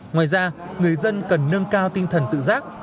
ngoài ra người dân cần nâng cao tinh thần tự giác